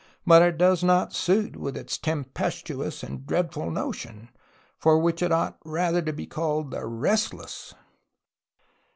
.. but it does not suit with its tem pestuous and dreadful motion, for which it ought rather to be call'd the Restless."